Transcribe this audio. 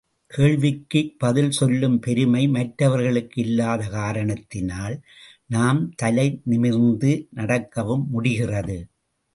கேள்விக்கு பதில் சொல்லும் பெருமை மற்றவர்க்கு இல்லாத காரணத்தினால் நாம் தலை நிமிர்ந்து நடக்கவும் முடிகிறது.